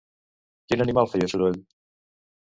Quin animal feia soroll?